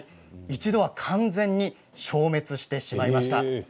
一度は完全に消滅してしまいました。